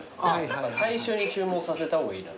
最初に注文させた方がいいな。